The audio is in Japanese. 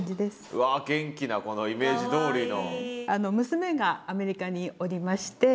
うわ元気なイメージどおりの。